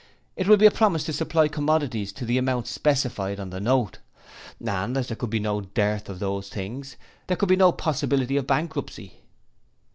It will be a promise to supply commodities to the amount specified on the note, and as there could be no dearth of those things there could be no possibility of bankruptcy.'